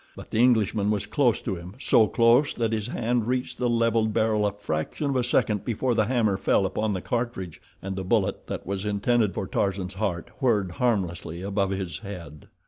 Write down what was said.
But the Englishman was close to him—so close that his hand reached the leveled barrel a fraction of a second before the hammer fell upon the cartridge, and the bullet that was intended for Tarzan's heart whirred harmlessly above his head.